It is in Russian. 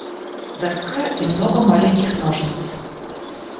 Доска и много маленьких ножниц.